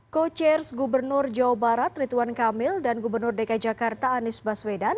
co chairs gubernur jawa barat rituan kamil dan gubernur dki jakarta anies baswedan